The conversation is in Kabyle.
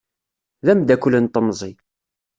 D amdakel n temẓi.